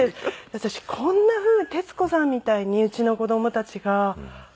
私こんなふうに徹子さんみたいにうちの子供たちが子供のまま。